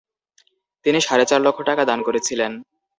তিনি সাড়ে চার লক্ষ টাকা দান করেছিলেন।